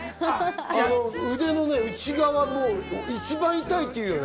腕の内側、一番痛いっていうよね。